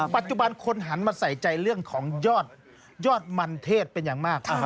ปัจจุบันคนหันมาใส่ใจเรื่องของยอดมันเทศเป็นอย่างมาก